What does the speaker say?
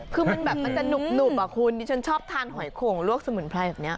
คือมันแบบมันจะหนุบอ่ะคุณดิฉันชอบทานหอยโข่งลวกสมุนไพรแบบนี้